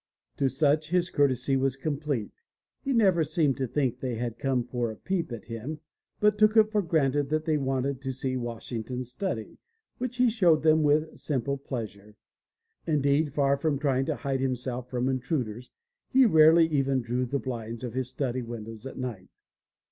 To such his courtesy was complete. He never seemed to think they had come for a peep at him, but took it for granted that they wanted to see Washing ton's study, which he showed them with simple pleasure. Indeed, far from trying to hide himself from intruders, he rarely even drew the blinds of his study windows at night.